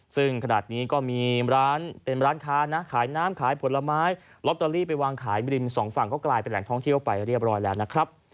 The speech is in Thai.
ซึ่งขนาดนี้ก็มีร้านเป็นร้านค้านะขายน้ำขายผลไม้ลอตเตอรี่ไปวางขายบริมสองฝั่งก็กลายเป็นแหล่งท่องเที่ยวไปเรียบร้อยแล้วนะครับ